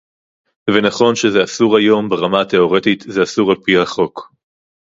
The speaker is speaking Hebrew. ונכון שזה אסור היום - ברמה התיאורטית זה אסור על-פי החוק